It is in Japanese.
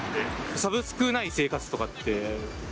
サブスクない生活とかって？